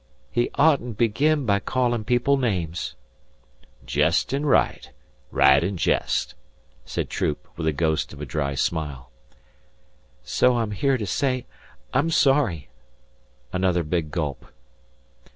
"He oughtn't begin by calling people names." "Jest an' right right an' jest," said Troop, with the ghost of a dry smile. "So I'm here to say I'm sorry." Another big gulp.